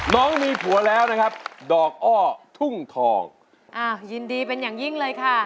น้องมีผัวแล้วนะครับดอกอ้อทุ่งทองอ่ายินดีเป็นอย่างยิ่งเลยค่ะ